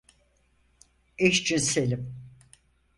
Eşcinselim.